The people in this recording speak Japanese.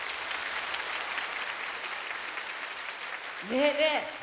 ねえねえ！